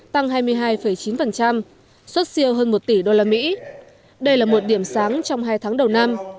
tăng hai mươi hai chín xuất siêu hơn một tỷ usd đây là một điểm sáng trong hai tháng đầu năm